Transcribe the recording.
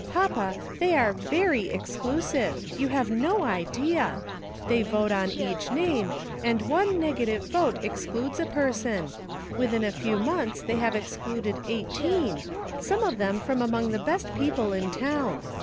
Papa, they are jery exclusive ; you have no idea ! They vote on CKzh name, and one negative vote excludes a per sori ; within a few months they have excluded eighteen, some of them from among the best peo ple in tjwn.